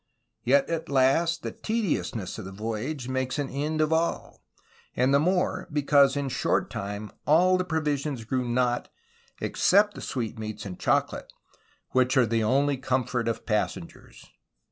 Yet at last the tediousness of the voyage makes an end of all; and the more, because in a short time all the provisions grew naught, except the sweetmeats and chocolate, which are the only comfort of passengers."